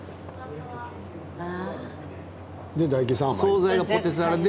総菜がポテサラで。